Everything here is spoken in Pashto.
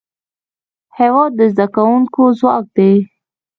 هېواد د زدهکوونکو ځواک دی.